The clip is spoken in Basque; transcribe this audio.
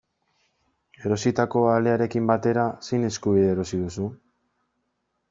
Erositako alearekin batera, zein eskubide erosi duzu?